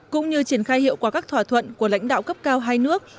cũng như triển khai hiệu quả các thỏa thuận của lãnh đạo cấp cao hai nước